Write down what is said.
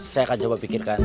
saya akan coba pikirkan